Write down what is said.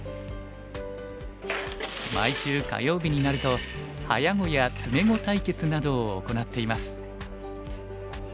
毎週火曜日になると早碁や詰碁対決などを行っています。